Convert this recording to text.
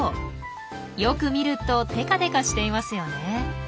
よく見るとテカテカしていますよね。